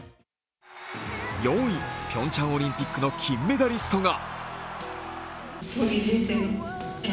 ４位、ピョンチャンオリンピックの金メダリストが。